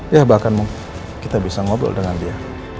ya bahkan kita bisa ngobrol dengan dia